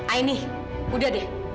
aini udah deh